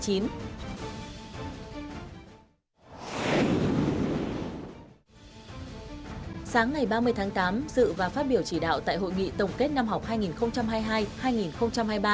sáng ngày ba mươi tháng tám dự và phát biểu chỉ đạo tại hội nghị tổng kết năm học hai nghìn hai mươi hai hai nghìn hai mươi ba